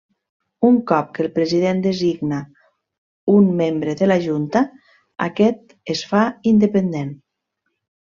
Un cop que el president designa un membre de la junta, aquest es fa independent.